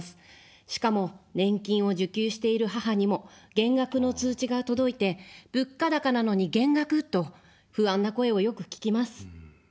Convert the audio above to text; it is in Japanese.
しかも、年金を受給している母にも減額の通知が届いて、物価高なのに減額と不安な声をよく聞きます。